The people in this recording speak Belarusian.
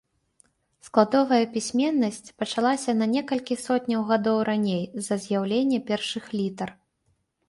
Складовая пісьменнасць пачалася на некалькі сотняў гадоў раней за з'яўленне першых літар.